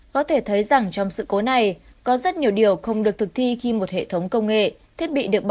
có thể thấy rằng trong sự cố này có rất nhiều điều không được thực thi khi một hệ thống công nghệ